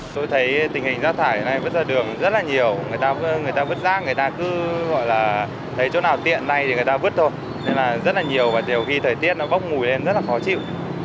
tôi thấy tình hình rác thải hiện nay vứt ra đường rất là nhiều người ta vứt rác người ta cứ gọi là thấy chỗ nào tiện này thì người ta vứt thôi nên là rất là nhiều và đều khi thời tiết nó bốc mùi lên rất là khó chịu